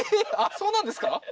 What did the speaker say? そうなんですか？